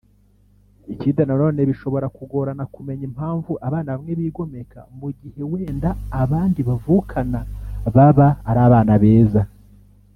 Ikindi nanone bishobora kugorana kumenya impamvu abana bamwe bigomeka mu gihe wenda abandi bavukana baba ari abana beza